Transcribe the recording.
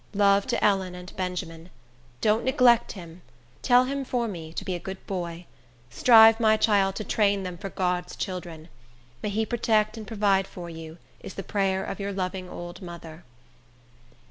Love to Ellen and Benjamin. Don't neglect him. Tell him for me, to be a good boy. Strive, my child, to train them for God's children. May he protect and provide for you, is the prayer of your loving old mother.